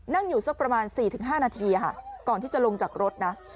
นั่งอยู่สักประมาณ๔๕นาทีค่ะก่อนที่จะลงจากรถนะ